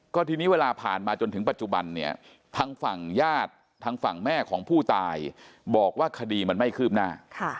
ก็ทีนี้เวลาผ่านมาจนถึงปัจจุบันเนี่ยทางฝั่งญาติทางฝั่งแม่ของผู้ตายบอกว่าคดีมันไม่คืบหน้า